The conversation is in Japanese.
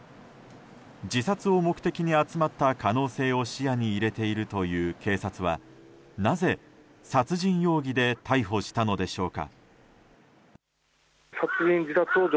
自殺を目的に集まった可能性を視野に入れているという警察はなぜ殺人容疑で逮捕したのでしょうか。